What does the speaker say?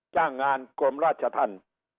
จ้างงานกลมราชท่าน